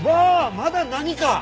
まだ何か！？